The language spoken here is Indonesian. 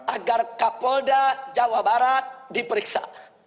agar kapolda jawa barat diperiksa